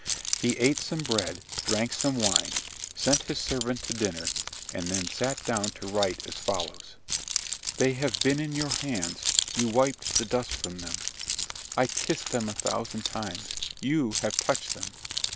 He ate some bread, drank some wine, sent his servant to dinner, and then sat down to write as follows: "They have been in your hands you wiped the dust from them. I kiss them a thousand times you have touched them.